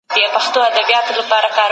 کارګران کولای سي اتحادیې جوړي کړي.